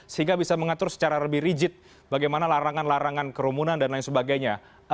sehingga bisa mengatur secara lebih rigid bagaimana larangan larangan kerumunan dan lain sebagainya